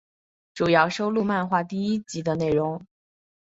主要收录漫画第一集的内容。